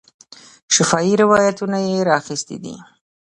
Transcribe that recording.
شفاهي روایتونه یې را اخیستي دي.